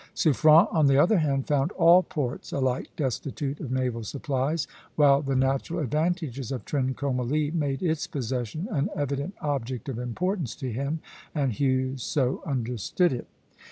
Suffren, on the other hand, found all ports alike destitute of naval supplies, while the natural advantages of Trincomalee made its possession an evident object of importance to him; and Hughes so understood it.